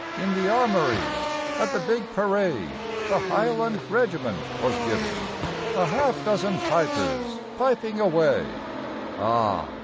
In the armories, at the big parade The highland regiment was giving, A half dozen pipers piping away Ah!